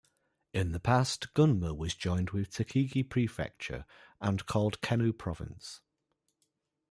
In the past, Gunma was joined with Tochigi Prefecture and called "Kenu Province".